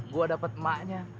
gua dapet emaknya